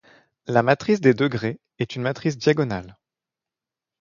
La matrice des degrés est une matrice diagonale.